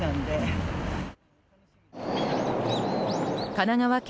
神奈川県